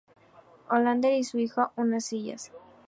Hollander y a sus hijos a unas sillas.